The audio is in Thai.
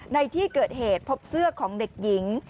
ในที่เกิดเหตุพบเสื้อของเด็กหญิง